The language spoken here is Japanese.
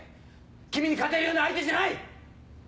君に勝てるような相手じゃない！